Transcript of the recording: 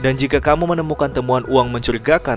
dan jika kamu menemukan temuan uang mencurigakan